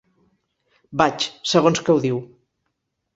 Vaig, segons que ho diu.